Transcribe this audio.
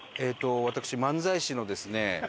私、漫才師のですね